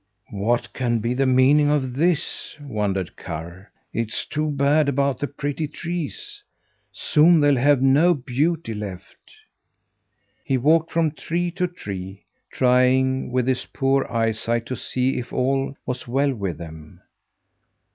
"What can be the meaning of this?" wondered Karr. "It's too bad about the pretty trees! Soon they'll have no beauty left." He walked from tree to tree, trying with his poor eyesight to see if all was well with them.